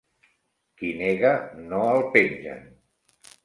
Qui nega, no el pengen.